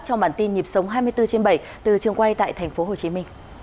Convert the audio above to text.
trong bản tin nhịp sống hai mươi bốn trên bảy từ trường quay tại tp hcm